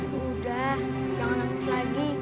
sudah jangan nangis lagi